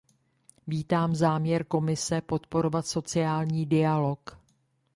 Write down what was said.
Vítám záměr Komise podporovat sociální dialog.